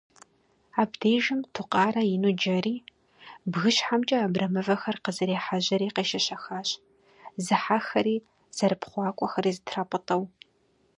Абдежым Тукъарэ ину джэри, бгыщхьэмкӏэ абрэмывэхэр къызэрехьэжьэри къещэщэхащ, зыхьэхэри зэрыпхъуакӏуэхэри зэтрапӏытӏэу.